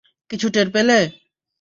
কিছু টের পেলে?